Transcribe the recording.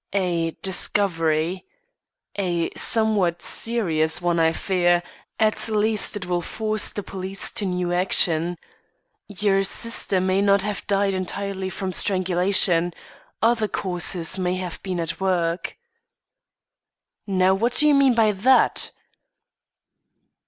"A discovery. A somewhat serious one I fear; at least, it will force the police to new action. Your sister may not have died entirely from strangulation; other causes may have been at work!" "Now, what do you mean by that?"